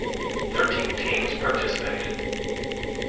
Thirteen teams participated.